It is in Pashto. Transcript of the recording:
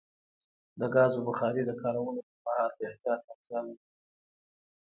د ګازو بخاري د کارولو پر مهال د احتیاط اړتیا لري.